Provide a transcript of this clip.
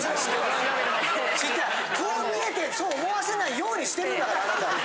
こう見えてってそう思わせないようにしてるんだからあなた。